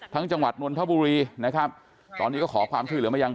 จังหวัดนนทบุรีนะครับตอนนี้ก็ขอความช่วยเหลือมายัง